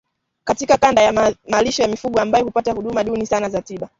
katika kanda za malisho ya mifugo ambazo hupata huduma duni sana za tiba